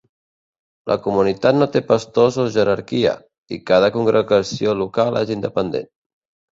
La comunitat no té pastors o jerarquia, i cada congregació local és independent.